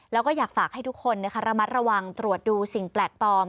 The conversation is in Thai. แล้วก็อยากฝากให้ทุกคนระมัดระวังตรวจดูสิ่งแปลกปลอม